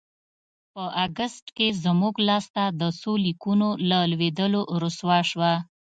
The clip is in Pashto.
په اګست کې زموږ لاسته د څو لیکونو له لوېدلو رسوا شوه.